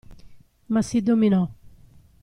Ma si dominò.